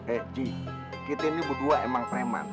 eh ji kita ini berdua emang preman